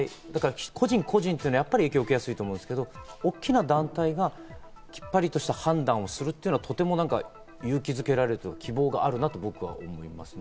個人個人というのは影響を受けやすいと思うんですけど、大きな団体がきっぱりとした判断をするというのはとても勇気づけられる、希望があるなと僕は思います。